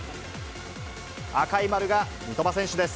赤い丸が三苫選手です。